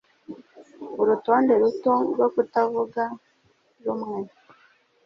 Urugendo ruto rwo kutavuga rumwe